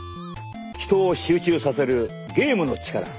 人を集中させるゲームの力。